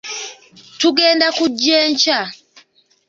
Tugenda kujja enkya.